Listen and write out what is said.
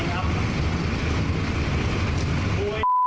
มึงมาฝากกูจะได้กู